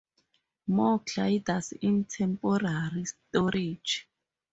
More gliders in temporary storage.